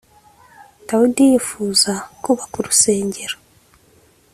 Dawidi yifuza kubaka urusengero